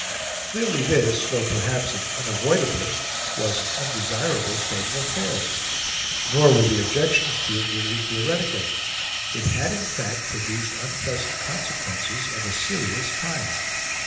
Clearly this, though perhaps an unavoidable, was an undesirable, state of affairs; nor were the objections to it merely theoretical; it had in fact produced unpleasant consequences of a serious kind.